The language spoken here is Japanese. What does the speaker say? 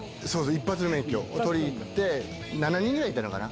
一発の免許取りに行って７人ぐらいいたのかな。